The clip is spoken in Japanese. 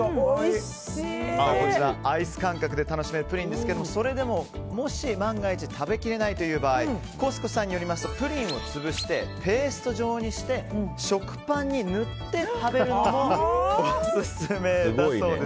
こちら、アイス感覚で楽しめるプリンですがそれでももし万が一食べきれない場合コス子さんによりますとプリンを潰してペースト状にして食パンに塗って食べるのもオススメだそうです。